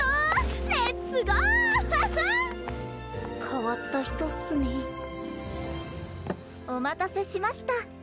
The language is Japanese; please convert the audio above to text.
変わった人っすね。お待たせしました。